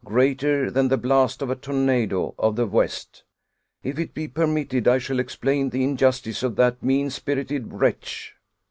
Greater than the blast of a tornado of the west. If it be permitted I shall explain The injustice of that mean spirited wretch."